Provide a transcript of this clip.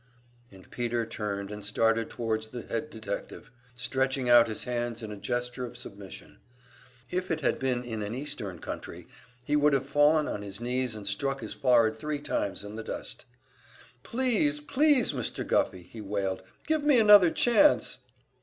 And Peter turned and started towards the head detective, stretching out his hands in a gesture of submission; if it had been in an Eastern country, he would have fallen on his knees and struck his forehead three times in the dust. "Please, please, Mr. Guffey!" he wailed. "Give me another chance!"